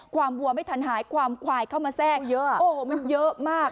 วัวไม่ทันหายความควายเข้ามาแทรกเยอะโอ้โหมันเยอะมาก